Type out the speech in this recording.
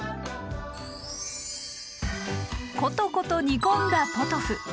コトコト煮込んだポトフ。